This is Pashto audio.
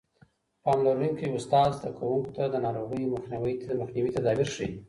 پاملرونکی استاد زده کوونکو ته د ناروغیو مخنیوي تدابیر ښيي.